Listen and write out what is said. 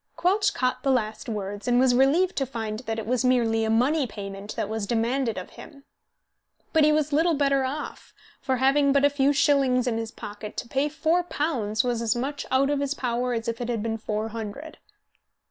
Quelch caught the last words, and was relieved to find that it was merely a money payment that was demanded of him. But he was little better off, for, having but a few shillings in his pocket, to pay four pounds was as much out of his power as if it had been four hundred.